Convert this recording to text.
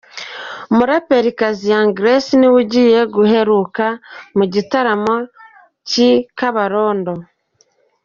Umuraperikazi Young Grace niwe ugiye guheruka mu gitaramo cy’ i kabarondo.